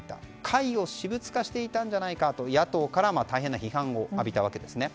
会を私物化していたんじゃないかと野党から大変な批判を浴びたわけですね。